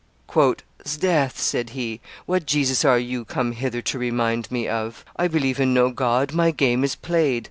"'Sdeath," said he, "what Jesus are you come hither to remind me of? I believe in no God; my game is played."